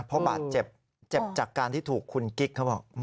เพราะบาดเจ็บเจ็บจากการที่ถูกคุณกิ๊กเขาบอก